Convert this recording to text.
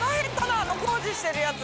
あの工事してるやつ。